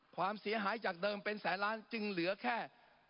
ความเสียหายจากเดิมเป็นแสนล้านจึงเหลือแค่